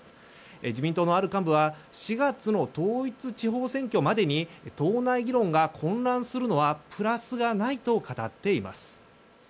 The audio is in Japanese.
自民党のある幹部は４月の統一地方選挙までに党内議論が混乱するのはプラスがないと語っています。